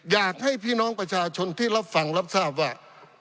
อยากให้พี่น้องประชาชนที่รับฟังรับทราบว่า